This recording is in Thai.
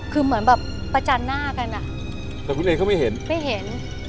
คือเหมือนแบบประจันหน้ากันอ่ะแต่คุณเอนเขาไม่เห็นไม่เห็น